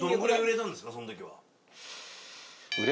そん時は。